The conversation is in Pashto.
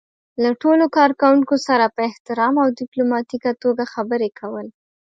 له ټولو کار کوونکو سره په احترام او ډيپلوماتيکه توګه خبرې کول.